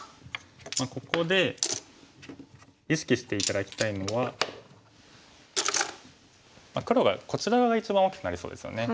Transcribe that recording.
ここで意識して頂きたいのは黒がこちら側が一番大きくなりそうですよね。